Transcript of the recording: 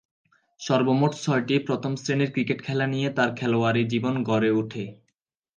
সর্বমোট ছয়টি প্রথম-শ্রেণীর ক্রিকেট খেলা নিয়ে তার খেলোয়াড়ী জীবন গড়ে উঠে।